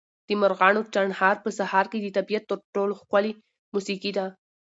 د مرغانو چڼهار په سهار کې د طبیعت تر ټولو ښکلې موسیقي ده.